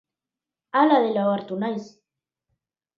Hala dela ohartu naiz.